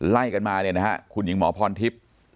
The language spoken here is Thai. ใต้กันมาคุณหญิงหมอพรทิพย์